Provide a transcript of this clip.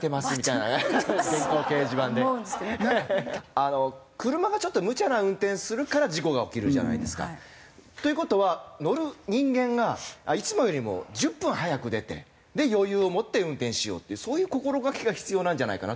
あの車がちょっとむちゃな運転するから事故が起きるじゃないですか。という事は乗る人間がいつもよりも１０分早く出て余裕を持って運転しようっていうそういう心掛けが必要なんじゃないかなと。